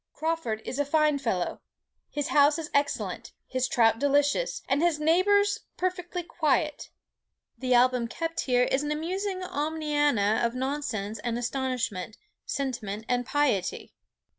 Crawford is a fine fellow: his house is excellent, his trout delicious, and his neighbours perfectly quiet! The album kept here is an amusing omniana of nonsense and astonishment, sentiment and piety.